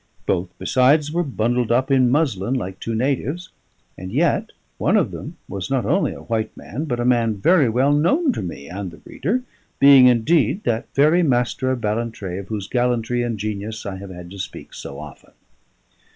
Both, besides, were bundled up in muslin like two natives; and yet one of them was not only a white man, but a man very well known to me and the reader, being indeed that very Master of Ballantrae of whose gallantry and genius I have had to speak so often.